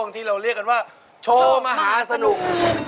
ที่เราเรียกกันว่าโชว์มหาสนุก